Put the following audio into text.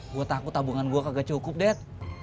gue takut tabungan gue kagak cukup deh